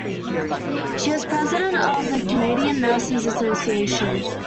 She was President of the Canadian Nurses Association.